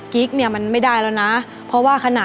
กิ๊กเนี่ยมันไม่ได้แล้วนะ